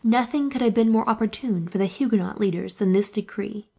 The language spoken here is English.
Nothing could have been more opportune, for the Huguenot leaders, than this decree.